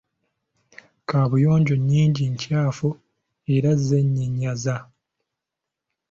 Kaabuyonjo nnyingi nkyafu era zeenyinyaza.